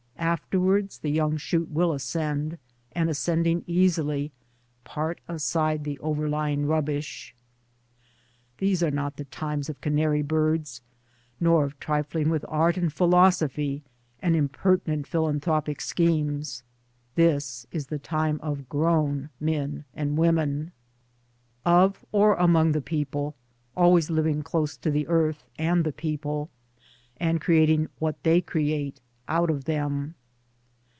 Afterwards the young shoot will ascend — and ascending easily part aside the overlying rubbish. These are not the times of canary birds — nor of trifling with art and philosophy and impertinent philanthropic schemes ; this is the time of grown Men and Women : Of or among the people ; always living close to the earth and the people, and creating what they create, out of them.